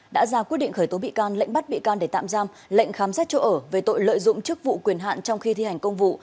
đã ra quyết định khởi tố bị can lệnh bắt bị can để tạm giam lệnh khám xét chỗ ở về tội lợi dụng chức vụ quyền hạn trong khi thi hành công vụ